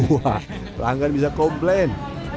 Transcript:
wah pelanggan bisa komplain